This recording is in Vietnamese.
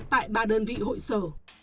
tại ba đơn vị hội sở